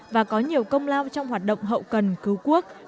và có nhiều công lao trong hoạt động hậu cần cứu quốc